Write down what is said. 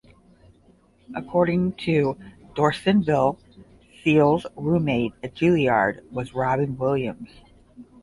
According to Dorsinville, Seales's roommate at Juilliard was Robin Williams.